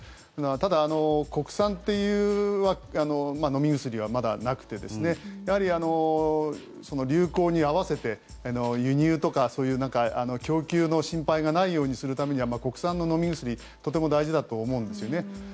ただ、国産という飲み薬はまだなくてやはり、流行に合わせて輸入とかそういう供給の心配がないようにするためには国産の飲み薬とても大事だと思うんですよね。